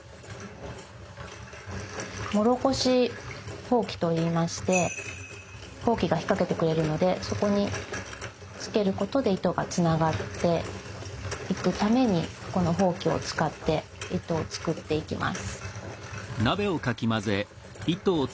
もろこし箒と言いまして箒が引っ掛けてくれるのでそこにつけることで糸がつながっていくためにこの箒を使って糸を作っていきます。